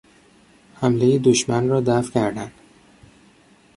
حملهی دشمن را دفع کردن